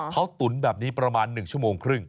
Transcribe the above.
เขาตุ๋นแบบนี้ประมาณ๑ชั่วโมงครึ่ง